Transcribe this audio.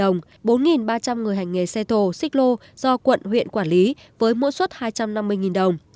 đồng bốn ba trăm linh người hành nghề xe thổ xích lô do quận huyện quản lý với mỗi suất hai trăm năm mươi đồng